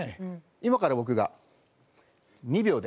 今から僕が２秒で。